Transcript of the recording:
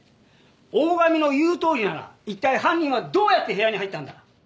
大上の言うとおりなら一体犯人はどうやって部屋に入ったんだ？